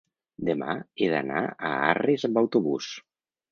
demà he d'anar a Arres amb autobús.